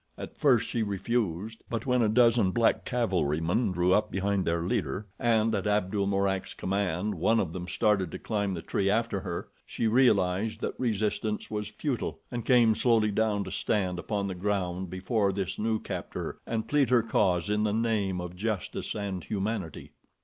At first she refused; but when a dozen black cavalrymen drew up behind their leader, and at Abdul Mourak's command one of them started to climb the tree after her she realized that resistance was futile, and came slowly down to stand upon the ground before this new captor and plead her cause in the name of justice and humanity.